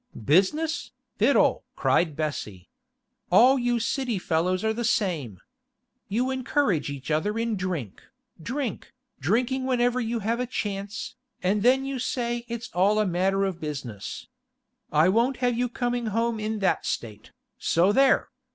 'Business! Fiddle!' cried Bessie. 'All you City fellows are the same. You encourage each other in drink, drink, drinking whenever you have a chance, and then you say it's all a matter of business. I won't have you coming home in that state, so there!